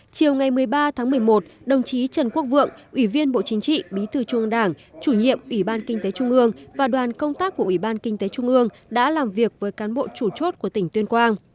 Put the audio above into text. chiều ngày một mươi ba tháng một mươi một đồng chí trần quốc vượng ủy viên bộ chính trị bí thư trung ương đảng chủ nhiệm ủy ban kinh tế trung ương và đoàn công tác của ủy ban kinh tế trung ương đã làm việc với cán bộ chủ chốt của tỉnh tuyên quang